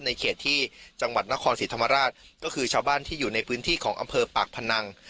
ในเขตที่จังหวัดนครศรีธรรมราชก็คือชาวบ้านที่อยู่ในพื้นที่ของอำเภอปากพนัง